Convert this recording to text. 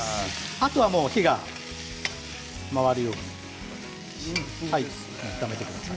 あとは火が回るように炒めてください。